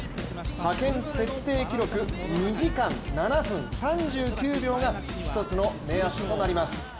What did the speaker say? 派遣設定記録、２時間７分３９秒が一つの目安となります。